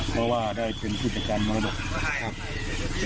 เพราะว่าได้เป็นผู้จัดการภาวะดก